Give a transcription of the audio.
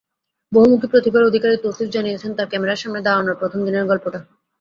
বহুমুখী প্রতিভার অধিকারী তৌসিফ জানিয়েছেন তাঁর ক্যামেরার সামনে দাঁড়ানোর প্রথম দিনের গল্পটা।